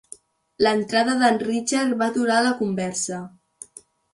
L'entrada d'en Richard va aturar la conversa.